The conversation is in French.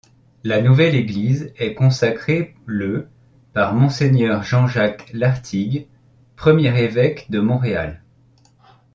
La nouvelle église est consacrée le par monseigneur Jean-Jacques Lartigue, premier évêque de Montréal.